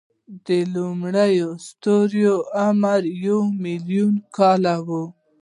د لومړنیو ستورو عمر یو سل ملیونه کاله و.